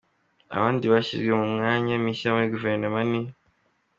Abandi bashyizwe mu myanya mishya muri Guverinoma ni :